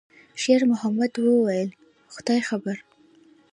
شېرمحمد وویل: «خدای خبر.»